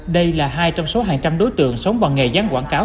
đây là hai trong số hàng trăm đối tượng sống bằng nghề gián quảng cáo